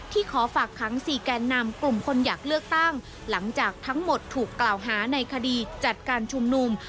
ขอฝากขัง๔แกนนำกลุ่มคนอยากเลือกตั้งหลังจากทั้งหมดถูกกล่าวหาในคดีจัดการชุมนุม